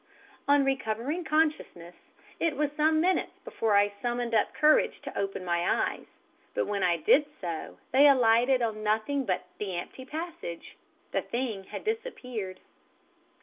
"On recovering consciousness, it was some minutes before I summoned up courage to open my eyes, but when I did so, they alighted on nothing but the empty passage the thing had disappeared.